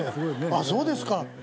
ああそうですか。